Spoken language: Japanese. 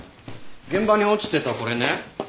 現場に落ちてたこれね。